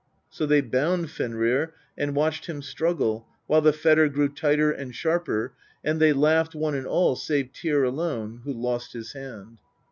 So they bound Fenrir, and watched him struggle, while the fetter grew tighter and sharper, " and they laughed, one and all, save Tyr alone, who lost his hand."